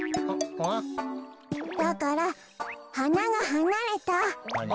だからはながはなれた。